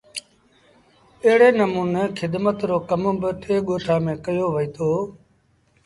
ايڙي نموني کدمت رو ڪم با ٽي ڳوٺآݩ ميݩ ڪيو وهيٚتو۔